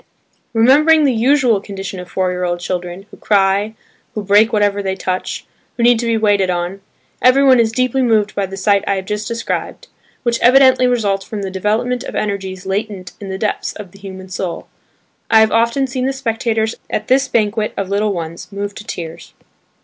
Remembering the usual condition of four year old children, who cry, who break whatever they touch, who need to be waited on, everyone is deeply moved by the sight I have just described, which evidently results from the development of energies latent in the depths of the human soul. I have often seen the spectators at this banquet of little ones, moved to tears.